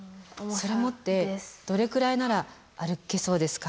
それ持ってどれくらいなら歩けそうですか？